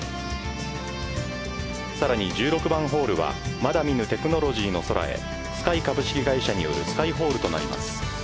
さらに１６番ホールはまだ見ぬテクノロジーの空へＳｋｙ株式会社によるＳｋｙホールとなります。